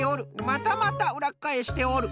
またまたうらっかえしておる。